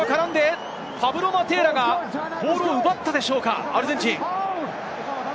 パブロ・マテーラがボールを奪ったでしょうか、アルゼンチン。